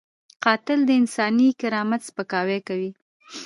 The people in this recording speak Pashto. قاتل د انساني کرامت سپکاوی کوي